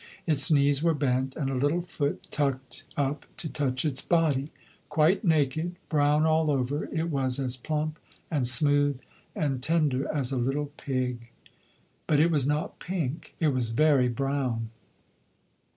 Its knees were bent and a little foot tucked up to touch its body. Quite naked, brown all over, it was as plump and smooth and tender as a little pig. But it was not pink; it was very brown.